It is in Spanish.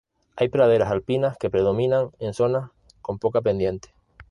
Hay praderas alpinas que predominan en zonas con poca pendiente.